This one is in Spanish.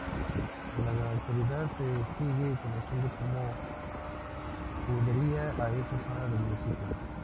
En la actualidad se sigue conociendo como judería a esa zona del municipio.